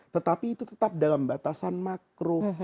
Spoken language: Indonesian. tetapi itu tetap dalam batasan makruh